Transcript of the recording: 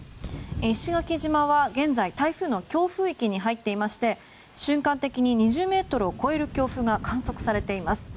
石垣島は現在、台風の強風域に入っていまして瞬間的に２０メートルを超える強風が観測されています。